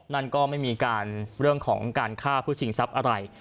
นั่นก็ไม่มีการเรื่องของการฆ่าเพื่อชิงทรัพย์อะไร